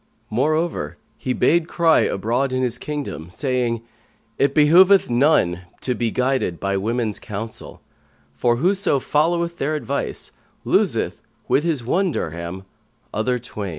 Moreover, he bade cry abroad in his kingdom, saying, "It behoveth none to be guided by women's counsel; for whoso followeth their advice, loseth, with his one dirham, other twain."